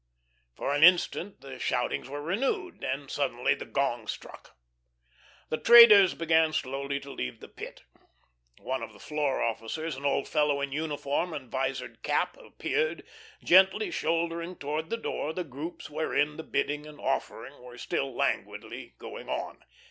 For an instant the shoutings were renewed. Then suddenly the gong struck. The traders began slowly to leave the Pit. One of the floor officers, an old fellow in uniform and vizored cap, appeared, gently shouldering towards the door the groups wherein the bidding and offering were still languidly going on.